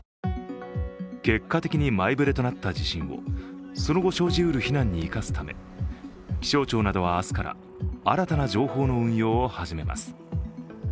結果的に前触れとなった地震をその後、生じうる避難に生かすため気象庁などは明日から新たな情報の運用を始めます。